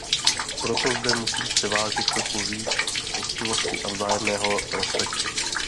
Proto zde musí převážit trochu víc poctivosti a vzájemného respektu.